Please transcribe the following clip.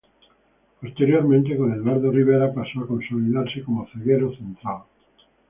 Posteriormente con Eduardo Rivera pasó a consolidarse como zaguero central.